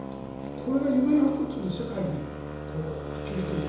これが夢の箱というので世界に波及していく。